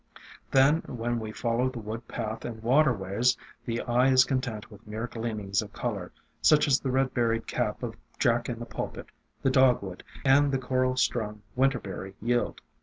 Then when we follow the wood path and waterways, the eye is content with mere gleanings of color, such as the red berried cap of Jack in the Pulpit, the Dogwood and the coral strung Winterberry yield.